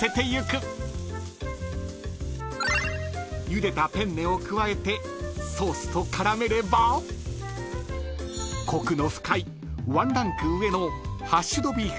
［ゆでたペンネを加えてソースと絡めればコクの深いワンランク上の］